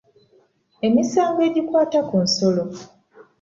Emisango egikwata ku nsolo.